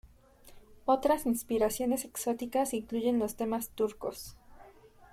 Otras inspiraciones exóticas incluyen los temas turcos.